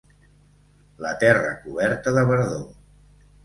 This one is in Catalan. La terra coberta de verdor.